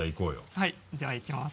はいじゃあいきます。